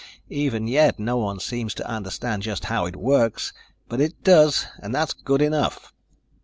Even yet no one seems to understand just how it works, but it does ... and that's good enough."